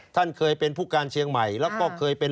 ท่านเคยเป็นผู้การเชียงใหม่แล้วก็เคยเป็น